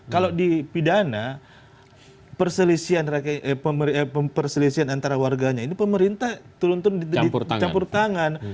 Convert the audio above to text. kalau di pidana perselisihan antara warganya ini pemerintah turun turun dicampur tangan